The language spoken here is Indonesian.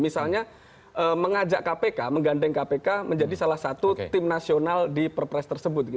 misalnya mengajak kpk menggandeng kpk menjadi salah satu tim nasional di perpres tersebut